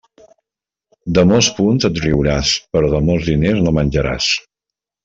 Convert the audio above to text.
De mos punts et riuràs, però de mos diners no menjaràs.